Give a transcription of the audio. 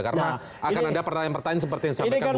karena akan ada pertanyaan pertanyaan seperti yang saya inginkan